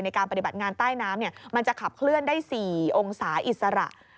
ในการปฏิบัติงานใต้น้ำมันจะขับเคลื่อนได้๔องศาอิสระ